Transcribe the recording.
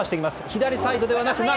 左サイドではなく中。